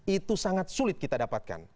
itu sangat sulit kita dapatkan